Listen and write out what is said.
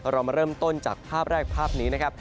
เรามาเริ่มต้นจากภาพแรกภาพนี้นะครับ